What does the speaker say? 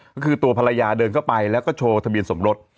ก็คือตัวภรรยาเดินเข้าไปแล้วก็โชว์ทะเบียนสมรส